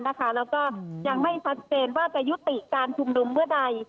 แล้วก็ยังไม่ชัดเจนว่าจะยุติการชุมนุมเมื่อใด